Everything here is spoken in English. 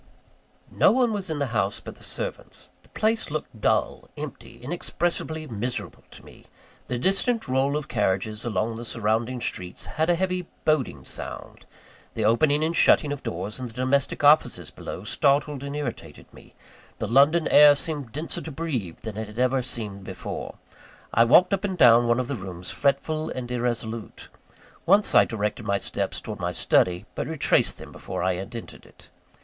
No one was in the house but the servants. The place looked dull, empty, inexpressibly miserable to me; the distant roll of carriages along the surrounding streets had a heavy boding sound; the opening and shutting of doors in the domestic offices below, startled and irritated me; the London air seemed denser to breathe than it had ever seemed before. I walked up and down one of the rooms, fretful and irresolute. Once I directed my steps towards my study; but retraced them before I had entered it.